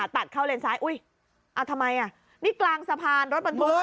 ตัดเข้าเลนซ้ายอุ้ยทำไมอ่ะนี่กลางสะพานรถบรรทุก